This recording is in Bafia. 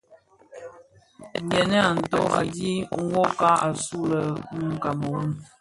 Gèn a nto u dhid nwokag, asuu mun Kameroun.